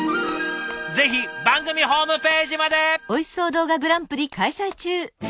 ぜひ番組ホームページまで！